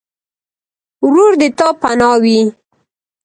ورور د تا پناه وي.